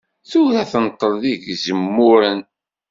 Tura tenṭel deg Zemmuren.